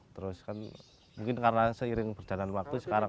terus kan mungkin karena seiring berjalan waktu sekarang